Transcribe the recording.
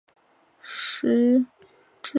李家因此债台高筑。